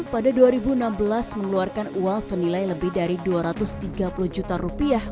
pada dua ribu enam belas mengeluarkan uang senilai lebih dari dua ratus tiga puluh juta rupiah